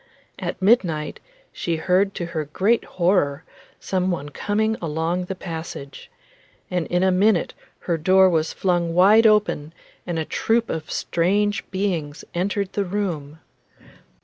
At midnight she heard to her great horror some one coming along the passage, and in a minute her door was flung wide open and a troop of strange beings entered the room.